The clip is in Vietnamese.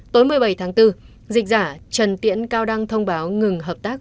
tối một mươi bảy tháng bốn dịch giả trần tiễn cao đăng thông báo ngừng hợp tác